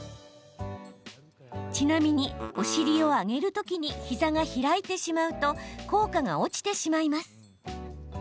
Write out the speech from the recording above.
ちなみに、お尻を上げるときに膝が開いてしまうと効果が落ちてしまいます。